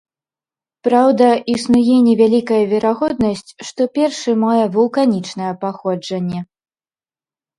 Праўда, існуе невялікая верагоднасць, што першы мае вулканічнае паходжанне.